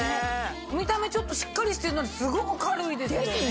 見た目しっかりしてんのにすごく軽いですよね。